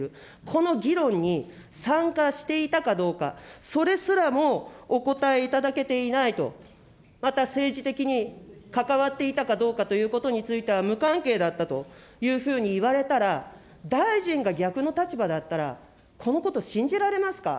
この議論に、参加していたかどうか、それすらもお答えいただけていないと、また、政治的に関わっていたかどうかということについては無関係だったというふうに言われたら、大臣が逆の立場だったら、このこと信じられますか。